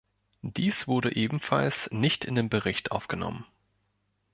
Dies wurde ebenfalls nicht in den Bericht aufgenommen.